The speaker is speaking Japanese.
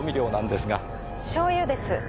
しょうゆです。